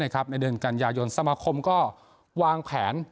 ในเดือนกันยายนสมาคมก็วางแผน